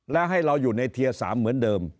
และให้เราอยู่ในเทียร์๓เหมือนเดิม